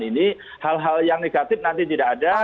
jadi hal hal yang negatif nanti tidak ada